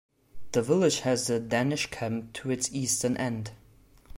The village has a Danish Camp to its eastern end.